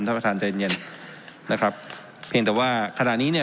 ท่านประธานใจเย็นนะครับเพียงแต่ว่าขณะนี้เนี่ย